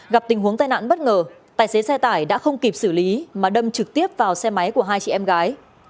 gặp tình huống tai nạn bất ngờ tài xế xe tải đã không kịp xử lý mà đâm trực tiếp vào xe máy của hai chị em gái